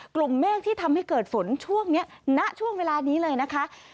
กลุ่มเมฆที่ทำให้เกิดฝนช่วงนี้ณช่วงเวลานี้เลยนะคะ